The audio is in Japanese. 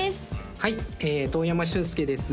はい遠山俊介です